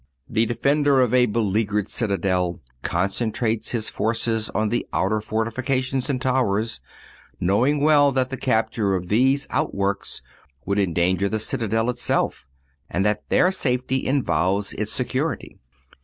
The defender of a beleaguered citadel concentrates his forces on the outer fortifications and towers, knowing well that the capture of these outworks would endanger the citadel itself, and that their safety involves its security.